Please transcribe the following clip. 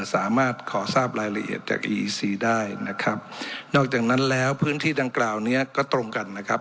สามารถขอทราบรายละเอียดจากอีซีได้นะครับนอกจากนั้นแล้วพื้นที่ดังกล่าวเนี้ยก็ตรงกันนะครับ